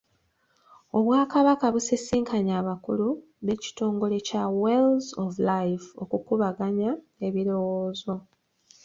Obwakabaka busisinkanye abakulu b'ekitongole kya Wells of Life okukubaganya ebirowoozo.